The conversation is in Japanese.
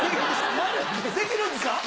できるんですか？